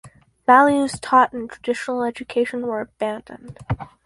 Values taught in traditional education were abandoned.